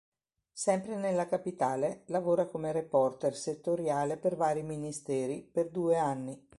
Sempre nella capitale, lavora come reporter settoriale per vari ministeri, per due anni.